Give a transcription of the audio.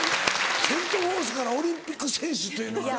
セント・フォースからオリンピック選手というのがな。